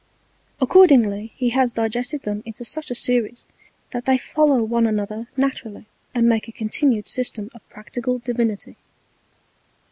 Accordingly, he has digested them into such a Series, that they follow one another naturally, and make a continued System of practical Divinity.